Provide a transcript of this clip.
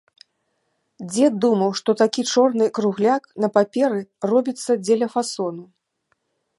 Дзед думаў, што такі чорны кругляк на паперы робіцца дзеля фасону.